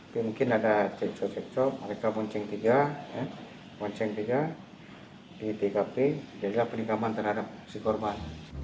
mungkin ada ceco ceco mereka monceng tiga monceng tiga di tkp jadi peningkaman terhadap si korban